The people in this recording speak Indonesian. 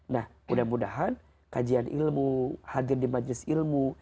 nah mudah mudahan kajian ilmu hadir di majlis ilmu